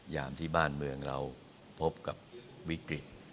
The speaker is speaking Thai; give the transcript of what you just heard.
ยามที่บ้านเมืองเราพบกับวิกฤต